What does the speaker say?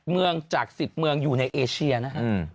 เมืองจาก๑๐เมืองอยู่ในเอเชียนะฮะ